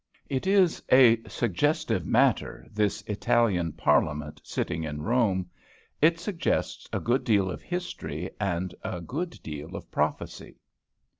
It is a suggestive matter, this Italian Parliament sitting in Rome. It suggests a good deal of history and a good deal of prophecy.